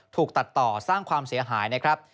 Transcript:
ถูกตัดต่อสร้างความเสียหายนะครับ